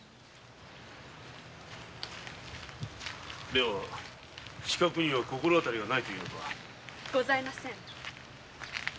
では刺客には心当たりはないというのか？ございません。